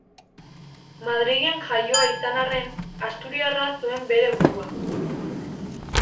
Madrilen jaioa izan arren, asturiarra zuen bere burua.